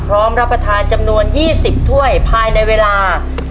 รับประทานจำนวน๒๐ถ้วยภายในเวลา